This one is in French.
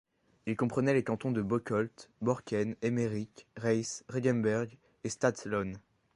Il comprenait les cantons de Bocholt, Borken, Emmerich, Rees, Ringenberg et Stadtlohn.